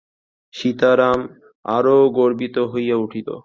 সীতারাম আরো গর্বিত হইয়া উঠিল।